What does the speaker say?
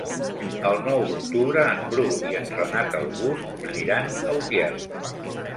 El nou d'octubre en Bru i en Renat August aniran a Utiel.